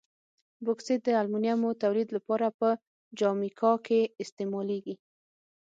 بوکسیت د المونیمو تولید لپاره په جامیکا کې استعمالیږي.